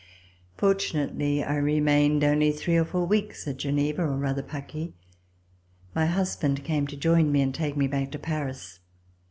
Fortunately I remained only three or four weeks at Geneva, or rather Paquis. My husband came to join me and take me back to Paris.